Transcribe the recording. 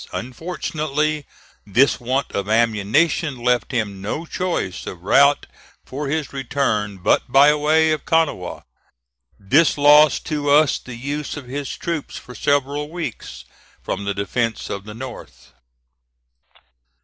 Unfortunately, this want of ammunition left him no choice of route for his return but by way of Kanawha. This lost to us the use of his troops for several weeks from the defence of the North.